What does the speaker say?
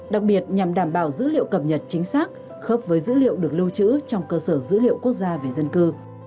đặc biệt nhằm đảm bảo dữ liệu cập nhật chính xác khớp với dữ liệu được lưu trữ trong cơ sở dữ liệu quốc gia về dân cư